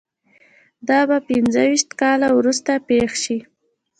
دا به پنځه ویشت کاله وروسته پېښ شي